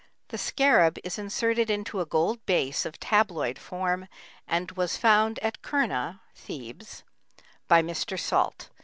The scarab is inserted into a gold base of tabloid form, and was found at Kurna (Thebes) by Mr. Salt.